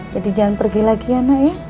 jadi jangan pergi lagi ya nak